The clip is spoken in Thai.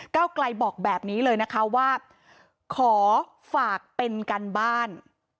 ก้าวไกลบอกแบบนี้เลยว่าขอฝากเป็นกันบ้าน